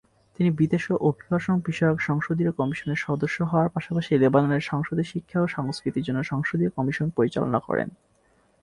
তিনি বিদেশ ও অভিবাসন বিষয়ক সংসদীয় কমিশনের সদস্য হওয়ার পাশাপাশি লেবাননের সংসদে শিক্ষা ও সংস্কৃতির জন্য সংসদীয় কমিশন পরিচালনা করেন।